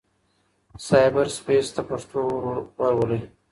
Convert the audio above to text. سايبر سپېس ته پښتو ورولئ.